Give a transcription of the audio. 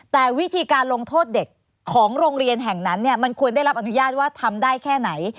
แต่วิธีการลงโทษเด็กของโรงเรียนแห่งนั้นมันควรได้รับอนุญาตว่าทำได้แค่ไหน